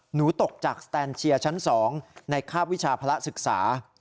หนูตกจากสแตนเชียร์ชั้น๒ในคาบวิชาภาระศึกษา